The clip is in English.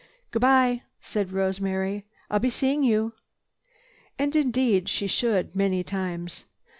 "Goodbye," said Rosemary, "I'll be seeing you." And indeed she should—many times.